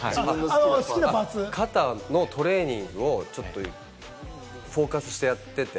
肩のトレーニングをちょっとフォーカスしてやってて、